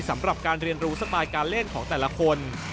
สำหรับการเรียนรู้สไตล์การเล่นของแต่ละคน